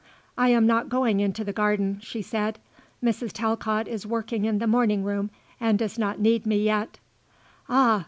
"I am not going into the garden," she said. "Mrs. Talcott is working in the morning room and does not need me yet." "Ah.